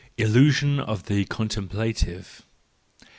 Illusion of the Contemplative